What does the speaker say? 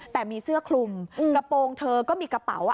แต่มีเสื้อคลุมกระโปรงเธอก็มีกระเป๋า